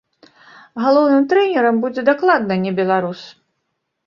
Галоўным трэнерам будзе дакладна не беларус.